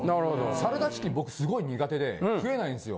サラダチキン僕すごい苦手で食えないんですよ。